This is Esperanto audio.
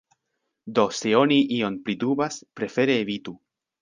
Do se oni ion pridubas, prefere evitu.